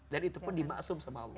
dan itu pun dimaksum sama allah